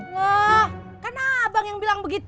wah kan abang yang bilang begitu